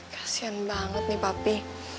kasian banget nih papi